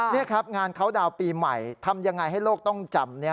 นี่ครับงานเขาดาวน์ปีใหม่ทำยังไงให้โลกต้องจำ